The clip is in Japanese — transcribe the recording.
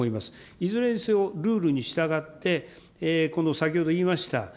いずれにせよ、ルールに従って、先ほど言いました、